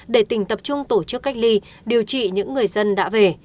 để tỉnh tập trung tổ chức cách ly điều trị những người dân đã về